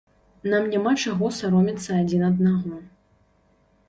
Нам няма чаго саромецца адзін аднаго.